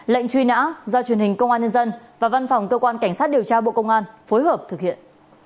lệnh truy nã do truyền hình công an nhân dân và văn phòng cơ quan cảnh sát điều tra bộ công an phối hợp thực hiện